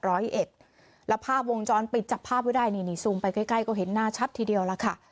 แล้วภาพวงจรปิดจับภาพไว้ได้นี่นี่ซูมไปใกล้ใกล้ก็เห็นหน้าชัดทีเดียวล่ะค่ะ